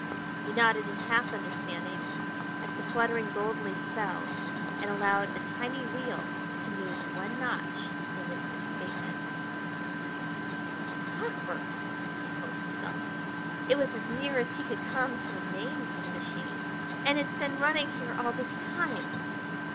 He nodded in half understanding as the fluttering gold leaf fell and allowed a tiny wheel to move one notch in its escapement. "Clockworks!" he told himself it was as near as he could come to a name for the machine "and it's been running here all this time....